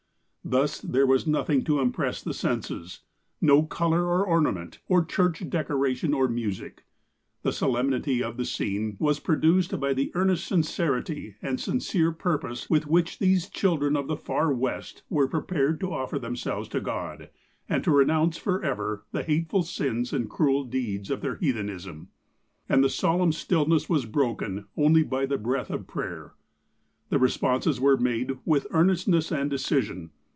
Thus, there was nothing to impress the senses, no colour or ornament, or church decoration, or music. The solemnity of the scene was produced by the earnest sincerity and serious purpose with which these children of the Far West were prepared to offer themselves to God, and to renounce for ever the hateful sins and cruel deeds of their heathenism. And the solemn stillness was broken only by the breath of prayer. The responses were made with earnestness and decision.